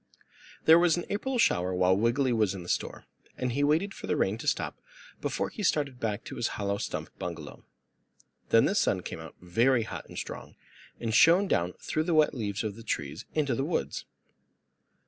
There was an April shower while Uncle Wiggily was in the store, and he waited for the rain to stop falling before he started back to his hollow stump bungalow. Then the sun came out very hot and strong and shone down through the wet leaves of the trees in the woods.